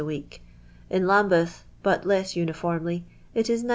a week; in Lambeth (but less uniformly), it is 19^.